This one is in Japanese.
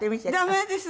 ダメです！